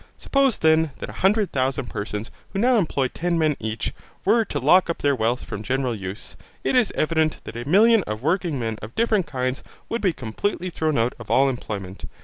Suppose then that a hundred thousand persons who now employ ten men each were to lock up their wealth from general use, it is evident, that a million of working men of different kinds would be completely thrown out of all employment.